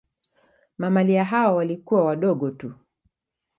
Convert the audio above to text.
Mamalia hao walikuwa wadogo tu.